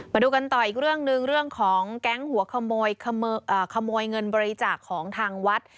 มาดูกันต่ออีกเรื่องหนึ่งเรื่องของแก๊งหัวขโมยเงินบริจาคของทางวัด